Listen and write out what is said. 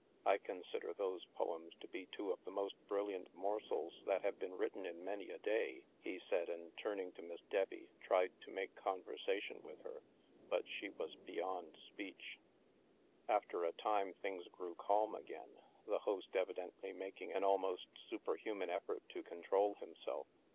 " I consider those poems to be two of the most brilliant morsels that have been written in many a day," he said, and turning to Miss Debbie, tried to make conversation with her; but she was beyond speech. After a time, things grew calm again, the host evidently making an almost superhuman effort to control himself.